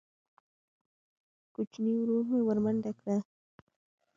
کوچیني ورور مې ورمنډه کړه.